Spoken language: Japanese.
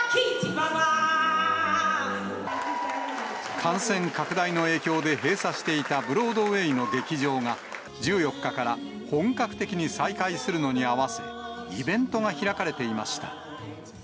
感染拡大の影響で閉鎖していたブロードウエーの劇場が、１４日から本格的に再開するのに合わせ、イベントが開かれていました。